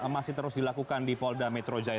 masih terus dilakukan di polda metro jaya